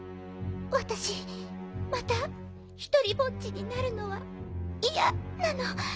わたしまたひとりぼっちになるのはいやなの。